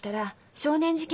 少年事件？